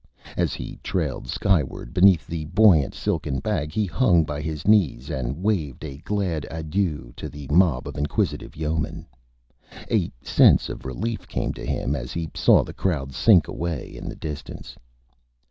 As he trailed Skyward beneath the buoyant silken Bag he hung by his Knees and waved a glad Adieu to the Mob of Inquisitive Yeomen. A Sense of Relief came to him as he saw the Crowd sink away in the Distance.